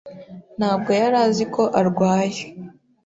Ntabwo yari azi ko arwaye.